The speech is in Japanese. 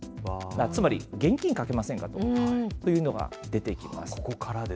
つまり、現金賭けませんかというのが出てきます。